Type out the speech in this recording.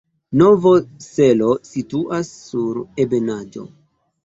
Novo Selo situas sur ebenaĵo.